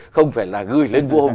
không phải là gửi lên vua hùng